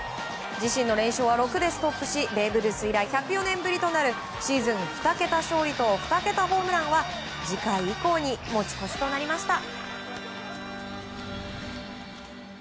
自身の連勝は６でストップしベーブ・ルース以来１０４年ぶりとなるシーズン２桁勝利と２桁ホームランは次回以降に持ち越しとなりました。